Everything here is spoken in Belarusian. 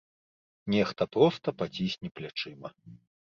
Нехта проста пацісне плячыма.